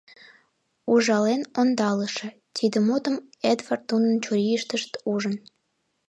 “Ужален ондалыше”, — тиде мутым Эдвард нунын чурийыштышт ужын.